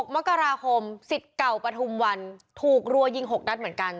มกราคมสิทธิ์เก่าปฐุมวันถูกรัวยิง๖นัดเหมือนกัน